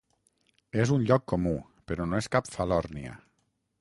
És un lloc comú, però no és cap falòrnia.